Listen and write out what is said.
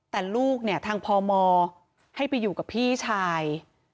แต่ลูกเนี่ยทางพมให้ไปอยู่กับพี่ชาย